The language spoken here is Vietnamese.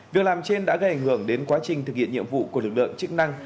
việc làm trên đã gây ảnh hưởng đến quá trình thực hiện nhiệm vụ của lực lượng chức năng